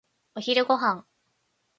お昼ご飯。